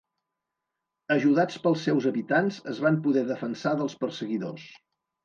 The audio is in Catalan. Ajudats pels seus habitants es van poder defensar dels perseguidors.